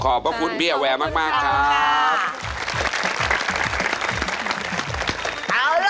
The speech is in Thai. ขอบพระคุณพี่แอวแวร์มากครับ